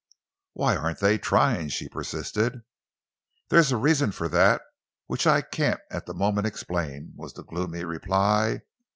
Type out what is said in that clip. "Why aren't they trying?" she persisted. "There's a reason for that, which I can't at the moment explain," was the gloomy reply.